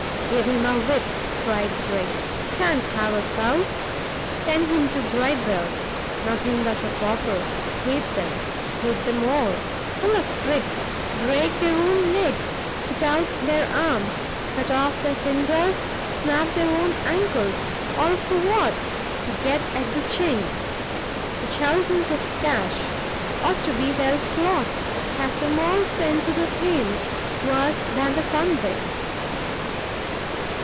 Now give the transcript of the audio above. "Give him a whip!" cried Briggs, "sha'n't have a souse! send him to Bridewell! nothing but a pauper; hate 'em; hate 'em all! full of tricks; break their own legs, put out their arms, cut off their fingers, snap their own ancles, all for what? to get at the chink! to chouse us of cash! ought to be well flogged; have 'em all sent to the Thames; worse than the Convicts."